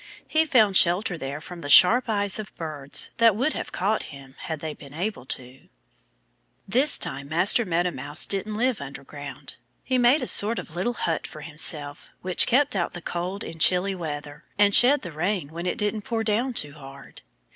He found shelter there from the sharp eyes of birds that would have caught him had they been able to. This time Master Meadow Mouse didn't live underground. He made a sort of little hut for himself, which kept out the cold in chilly weather, and shed the rain when it didn't pour down too hard.